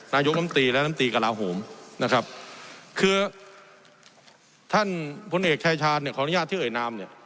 นายกรรมตรีและน้ำตีกระลาโหมนะครับคือท่านพลเอกชายชาญเนี่ยขออนุญาตที่เอ่ยนามเนี่ย